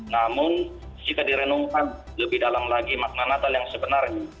namun jika direnungkan lebih dalam lagi makna natal yang sebenarnya